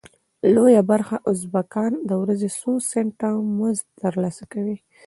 لویه برخه ازبکان د ورځې څو سنټه مزد تر لاسه کوي.